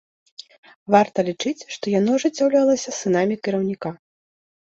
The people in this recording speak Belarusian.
Варта лічыць, што яно ажыццяўлялася сынамі кіраўніка.